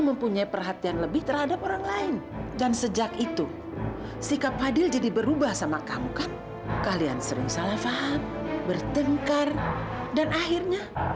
sampai jumpa di video selanjutnya